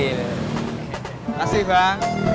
terima kasih bang